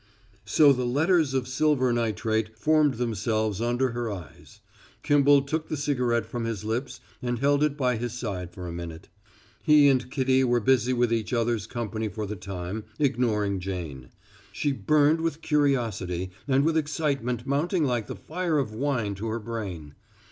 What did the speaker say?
So the letters of silver nitrate formed themselves under her eyes. Kimball took the cigarette from his lips and held it by his side for a minute. He and Kitty were busy with each other's company for the time, ignoring Jane. She burned with curiosity and with excitement mounting like the fire of wine to her brain.